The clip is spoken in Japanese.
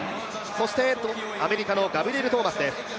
そしてアメリカのガブリエル・トーマスです。